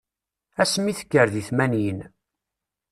Ass mi tekker di tmanyin.